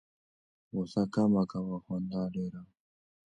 غوسه کمه کوه او خندا ډېره کوه.